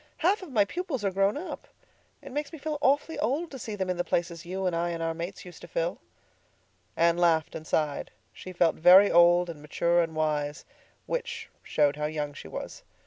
Half of my pupils are grown up. It makes me feel awfully old to see them in the places you and I and our mates used to fill." Anne laughed and sighed. She felt very old and mature and wise—which showed how young she was.